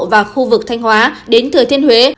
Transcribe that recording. và khu vực thanh hóa đến thừa thiên huế